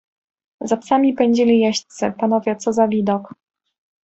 "Za psami pędzili jeźdźcy... panowie, co za widok!"